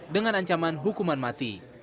dengan ancaman hukuman mati